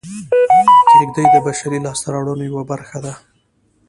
کېږدۍ د بشري لاسته راوړنو یوه برخه ده